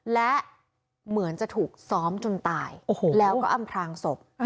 และเหมือนจะถูกซ้อมจนตายแล้วก็อำพลางศพ